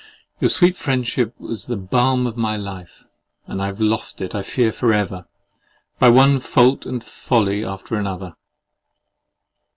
Your sweet friendship was the balm of my life; and I have lost it, I fear for ever, by one fault and folly after another.